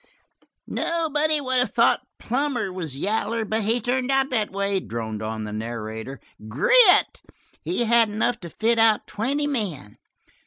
"Nobody would of thought Plummer was yaller, but he turned out that way," droned on the narrator. "Grit? He had enough to fit out twenty men.